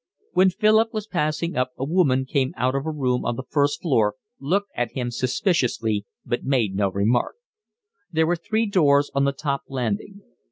When Philip was passing up a woman came out of a room on the first floor, looked at him suspiciously, but made no remark. There were three doors on the top landing.